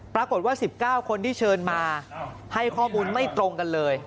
ปรากฏว่า๑๙คนที่เชิญมาให้ข้อมูลไม่ตรงกันเลย